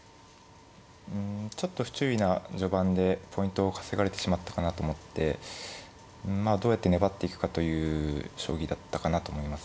うんちょっと不注意な序盤でポイントを稼がれてしまったかなと思ってうんまあどうやって粘っていくかという将棋だったかなと思います。